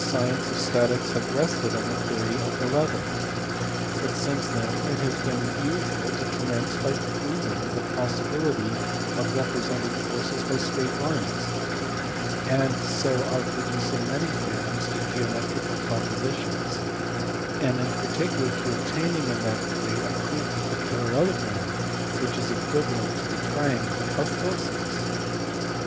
249 work the science of statics had rested on the theory of the lever, but since then it has been usual to commence by proving the possibility of representing forces by straight lines, and so of reducing many theorems to geometrical propositions, and in particular to obtaining in that way a proof of the parallelogram (which is equivalent to the triangle) of forces.